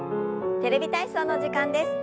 「テレビ体操」の時間です。